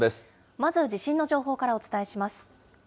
まず地震の情報からお伝えします。